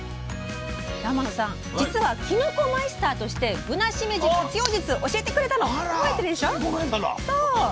天野さん実はきのこマイスターとしてぶなしめじ活用術教えてくれたの覚えてるでしょ？